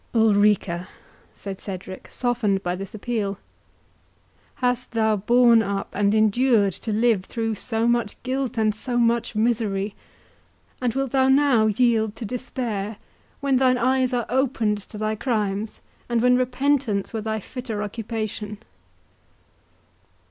"Ulrica," said Cedric, softened by this appeal, "hast thou borne up and endured to live through so much guilt and so much misery, and wilt thou now yield to despair when thine eyes are opened to thy crimes, and when repentance were thy fitter occupation?"